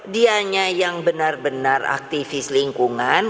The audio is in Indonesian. dianya yang benar benar aktivis lingkungan